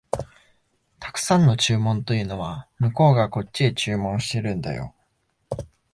沢山の注文というのは、向こうがこっちへ注文してるんだよ